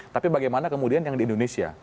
tapi bagaimana kemudian yang di indonesia